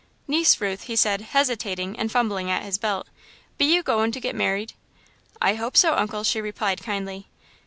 "Niece Ruth," he said, hesitating and fumbling at his belt, "be you goin' to get merried?" "I hope so, Uncle," she replied kindly.